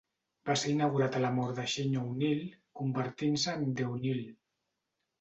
Va ser inaugurat a la mort de Shane O'Neill, convertint-se en "The O'Neill".